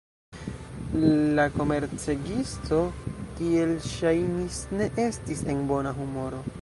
La komercegisto, kiel ŝajnis, ne estis en bona humoro.